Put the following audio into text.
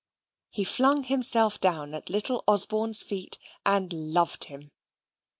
He flung himself down at little Osborne's feet, and loved him.